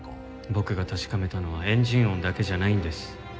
僕が確かめたのはエンジン音だけじゃないんです。